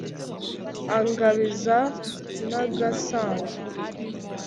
Angabiza Nagasanzwe